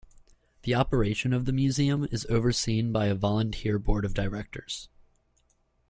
The operation of the museum is overseen by a volunteer board of directors.